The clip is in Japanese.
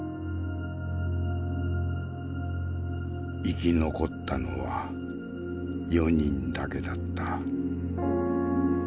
生き残ったのは４人だけだった。